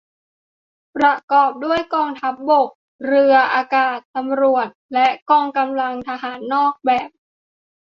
ประกอบด้วยกองทัพบก เรือ อากาศ ตำรวจ และกองกำลังทหารนอกแบบ